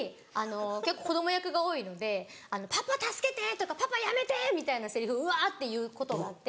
結構子供役が多いので「パパ助けて」とか「パパやめて」みたいなセリフうわって言うことがあって。